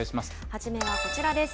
初めはこちらです。